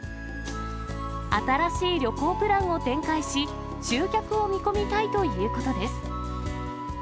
新しい旅行プランを展開し、集客を見込みたいということです。